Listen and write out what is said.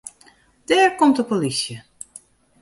Dêr komt de polysje.